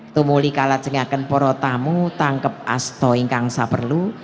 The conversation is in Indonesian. tumuli kalajengakan porotamu tangkep asto ingkang saberlu